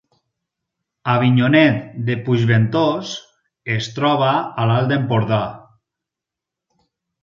Avinyonet de Puigventós es troba a l’Alt Empordà